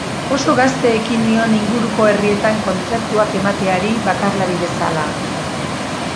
Oso gazte ekin nion inguruko herrietan kontzertuak emateari bakarlari bezala.